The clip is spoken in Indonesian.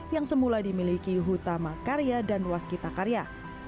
yang semula dimiliki hutama karya dan ruas kita karya